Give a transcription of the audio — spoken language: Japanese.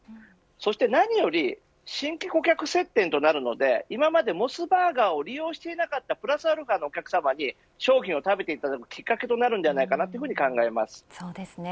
そして何より新規顧客接点となるので、今までモスバーガーを利用していなかったプラスアルファのお客様に商品を食べていただくきっかけになるとも考えます。